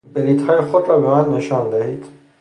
بلیطهای خود را به من نشان بدهید!